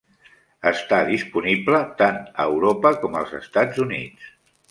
Està disponible tant a Europa com als Estats Units.